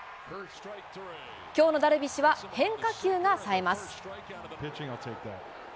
きょうのダルビッシュは、変化球がさえます。